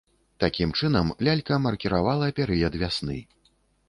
Такім чынам, лялька маркіравала перыяд вясны.